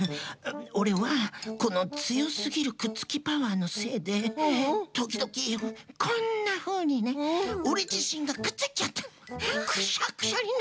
オレはこのつよすぎるくっつきパワーのせいでときどきこんなふうにねオレじしんがくっついちゃってくしゃくしゃになっちまう。